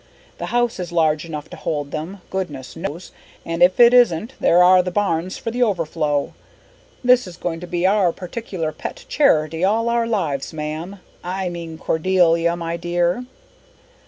The house is large enough to hold them, goodness knows, and if it isn't there are the barns for the overflow. This is going to be our particular pet charity all our lives, ma'am I mean Cordelia, my dear."